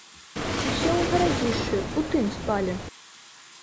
Усе ў гарадзішчы ў тым спалі.